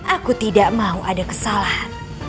aku tidak mau ada kesalahan